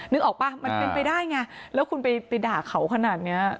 นึกออกป่ะมันเป็นไปได้ไงแล้วคุณไปด่าเขาขนาดเนี้ย